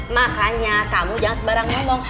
makanya kamu jangan sembarang ngomong